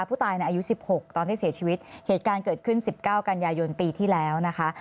ผู้ตายในอายุ๑๖ตอนที่เสียชีวิตเหตุการณ์เกิดขึ้น๑๙กันยายนปีที่แล้วนะคะ